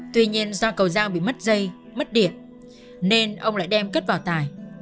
tuy nhiên do cầu giao bị mất dây mất điện nên ông lại đem kết vào tài